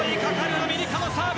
アメリカのサーブ。